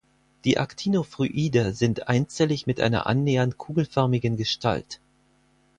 Die Actinophryida sind einzellig mit einer annähernd kugelförmigen Gestalt.